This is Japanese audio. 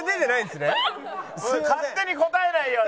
勝手に答えないように。